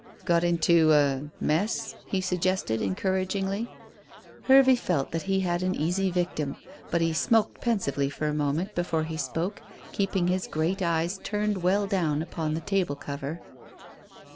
"Got into a mess?" he suggested encouragingly. Hervey felt that he had an easy victim, but he smoked pensively for a moment before he spoke, keeping his great eyes turned well down upon the table cover.